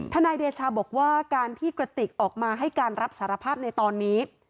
นายเดชาบอกว่าการที่กระติกออกมาให้การรับสารภาพในตอนนี้